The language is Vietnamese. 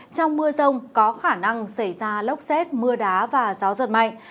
trong mưa rông có khả năng xảy ra lốc xét mưa đá và gió giật mạnh